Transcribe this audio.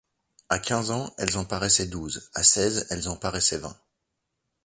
À quinze ans, elles en paraissent douze, à seize ans, elles en paraissent vingt.